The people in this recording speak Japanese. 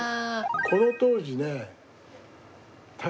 この当時ね。